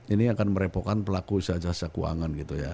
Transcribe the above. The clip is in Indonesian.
ini akan merepokan pelaku jasa keuangan gitu ya